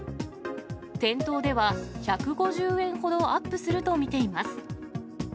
店頭では１５０円ほどアップすると見ています。